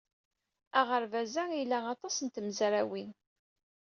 Aɣerbaz-a ila aṭas n tmezrawin.